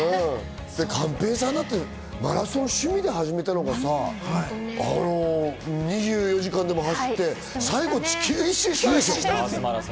寛平さんだって、マラソン趣味で始めたのが『２４時間』でも走って、最後は地球一周したでしょ？